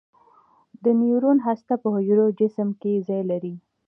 د نیورون هسته په حجروي جسم کې ځای لري.